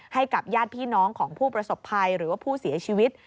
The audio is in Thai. ให้กับญาติพี่น้องของผู้ประสบภัยหรือว่าผู้เสียชีวิต